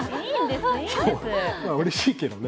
まあうれしいけどね。